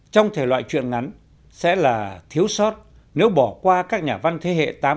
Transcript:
trong thể loại chuyện ngắn sẽ là thiếu sót nếu bỏ qua các nhà văn thế hệ tám